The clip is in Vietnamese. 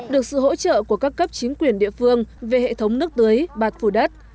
được sự hỗ trợ của các cấp chính quyền địa phương về hệ thống nước tưới bạt phủ đất